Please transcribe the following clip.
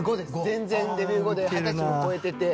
全然デビュー後で二十歳も超えてて。